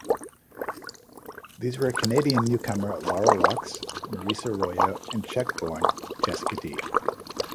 These were Canadian newcomer Lara Roxx, Mareisa Arroyo and Czech-born Jessica Dee.